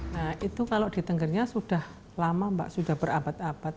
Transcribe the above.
nah itu kalau di tenggernya sudah lama mbak sudah berabad abad